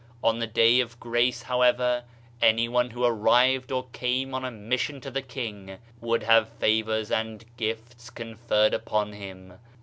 On the day of grace, however, anyone who arrived or came on a mission to the king would have favors and gifts conferred upon him.